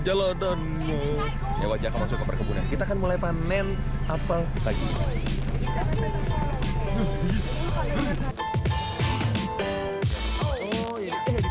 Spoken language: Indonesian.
jalan jalannya ya wajah masuk ke perkebunan kita akan mulai panen apel pagi pagi